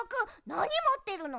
なにもってるの？